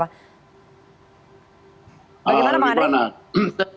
bagaimana pak arief